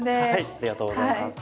ありがとうございます。